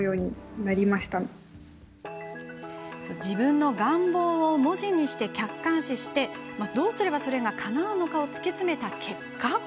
自分の願望を文字にして客観視しどうすれば、それがかなうのかを突き詰めた結果。